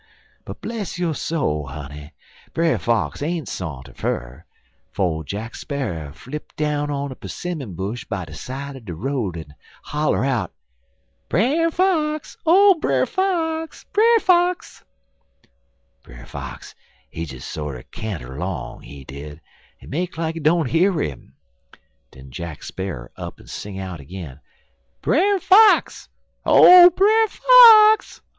But, bless yo' soul, honey, Brer Fox ain't sa'nter fur, 'fo' Jack Sparrer flipp down on a 'simmon bush by de side er de road, en holler out: "'Brer Fox! Oh, Brer Fox! Brer Fox!' "Brer Fox he des sorter canter long, he did, en make like he don't hear 'im. Den Jack Sparrer up'n sing out agin: "'Brer Fox! Oh, Brer Fox!